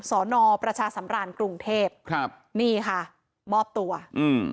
สอนอประชาสำราญกรุงเทพครับนี่ค่ะมอบตัวอืม